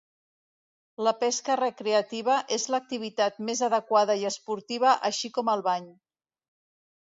La pesca recreativa és l'activitat més adequada i esportiva així com el bany.